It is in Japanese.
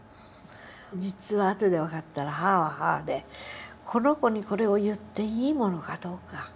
実はあとで分かったら母は母で「この子にこれを言っていいものかどうか。